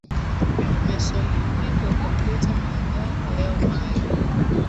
mesolimbi kwa kuongeza madhara yao maalum